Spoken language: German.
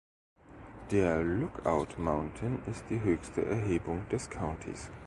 Der Lookout Mountain ist die höchste Erhebung des Countys.